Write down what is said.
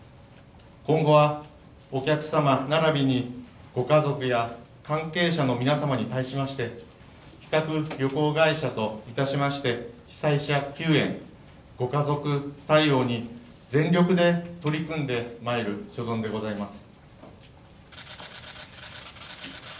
今後はお客様並びにご家族や関係者の皆様に対しまして企画旅行会社といたしまして、被災者救援、ご家族対応に全力で取り組んでまいる所存でございます。